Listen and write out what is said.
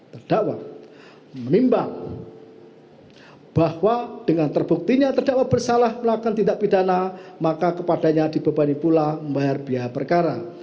terdakwa menimbang bahwa dengan terbuktinya terdakwa bersalah melakukan tindak pidana maka kepadanya dibebani pula membayar biaya perkara